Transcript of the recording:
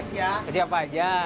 iya ke siapa saja